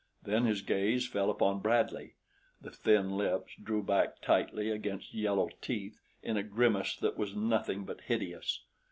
Then his gaze fell upon Bradley. The thin lips drew back tightly against yellow teeth in a grimace that was nothing but hideous.